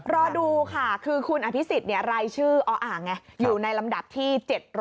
รอดูค่ะคือคุณอภิสิทธิ์รายชื่ออยู่ในลำดับที่๗๑๐